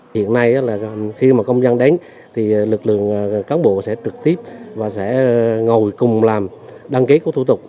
hiện nay là khi mà công dân đến thì lực lượng cán bộ sẽ trực tiếp và sẽ ngồi cùng làm đăng ký của thủ tục